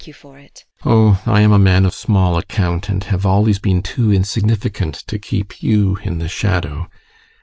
Oh, I am a man of small account, and have always been too insignificant to keep you in the shadow.